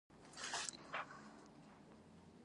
واده او کار لا هم د کاستي اغېز لري.